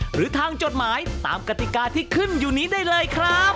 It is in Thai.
หรือทางจดหมายตามกติกาที่ขึ้นอยู่นี้ได้เลยครับ